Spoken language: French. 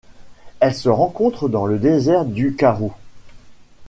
Elle se rencontre dans le désert du Karoo.